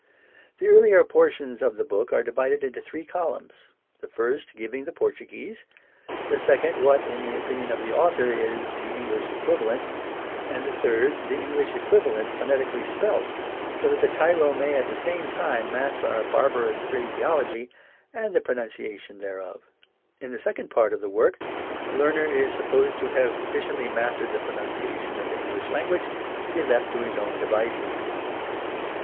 The earlier portions of the book are divided into three columns, the first giving the Portugfuese; the second what, in the opinion of the author, is the English equiva lent ; and the third the English equivalent pho netically spelt, so that the tyro may at the same time master our barbarous phraseology and the pronunciation thereof. In the second part of the work the learner is supposed to have sufficiently mastered the pronunciation of the English language, to be left to his own devices.